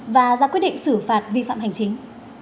và ra quyết định xử phạt vi phạm hành chính